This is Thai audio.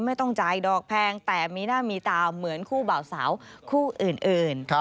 ไม่ต้องจ่ายดอกแพงแต่มีหน้ามีตาเหมือนคู่บ่าวสาวคู่อื่น